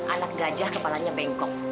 anak gajah kepalanya bengkok